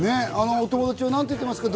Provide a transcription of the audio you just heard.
お友達は何って言ってますか？